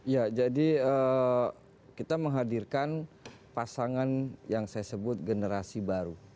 ya jadi kita menghadirkan pasangan yang saya sebut generasi baru